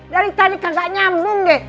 dari tadi kagak nyambung deh